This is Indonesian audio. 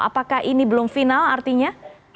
apakah ini belum final artinya